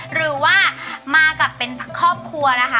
หรือว่ามากับเป็นครอบครัวนะคะ